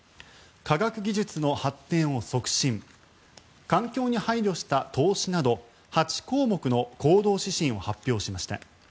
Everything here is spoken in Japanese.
科学技術の発展を促進環境に配慮した投資など８項目の行動指針を発表しました。